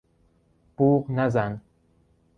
بوق نزن!